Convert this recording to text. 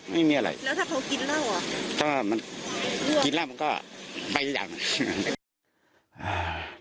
ไม่มีอะไรแล้วถ้าเขากินแล้วอ่ะก็มันกินแล้วมันก็ไปอย่างนั้น